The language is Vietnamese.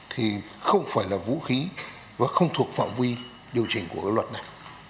thì không phải là vũ khí và không thuộc phạm vi điều chỉnh của cái luật này